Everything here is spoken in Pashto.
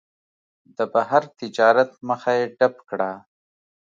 د بهر تجارت مخه یې ډپ کړه.